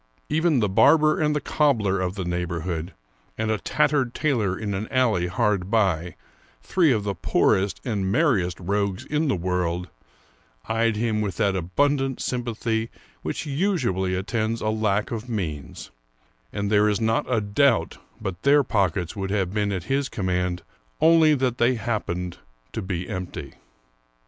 Even the barber and the cobbler of the neighborhood, and a tattered tailor in an alley hard by, three of the poorest and merriest rogues in the world, eyed him with that abundant sympathy which usually attends a lack of means, and there is not a doubt but their pockets would have been at his command, only that they happened to be empty.